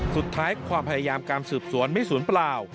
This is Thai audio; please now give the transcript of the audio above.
สุดท้ายความพยายามการสืบสวนไม่สูญเปล่า